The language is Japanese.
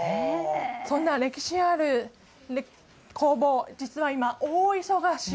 そんな歴史ある工房、実は今、大忙し。